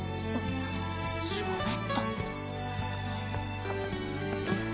しゃべった